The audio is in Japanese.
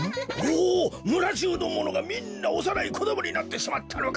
おおむらじゅうのものがみんなおさないこどもになってしまったのか？